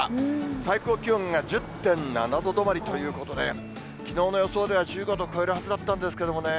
最高気温が１０．７度止まりということで、きのうの予想では１５度超えるはずだったんですけどもね。